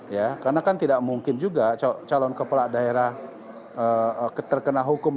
ya karena kan tidak mungkin juga calon kepala daerah terkena hukum